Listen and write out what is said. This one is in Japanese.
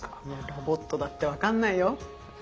ロボットだってわかんないよ。